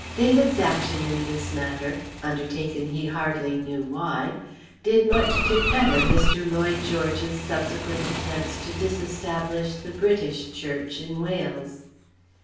David's action in this matter, undertaken he hardly knew why did much to fetter Mr. Lloyd George's subsequent attempts to disestablish the British Church in Wales.